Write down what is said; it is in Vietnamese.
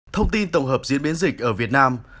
thông tin tổng hợp diễn biến dịch ở việt nam